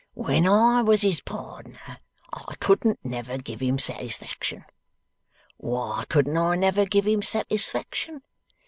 When I was his pardner, I couldn't never give him satisfaction. Why couldn't I never give him satisfaction?